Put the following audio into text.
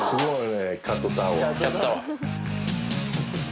すごいね！